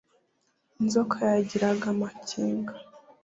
inzoka yagiraga amakenga